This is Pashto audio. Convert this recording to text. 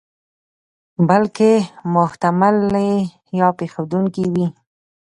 بلکې محتملې یا پېښېدونکې وي.